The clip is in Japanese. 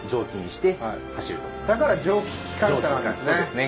だから「蒸気機関車」なんですね。